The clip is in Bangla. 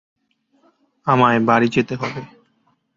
আমায় বাড়ি যেতে হবে।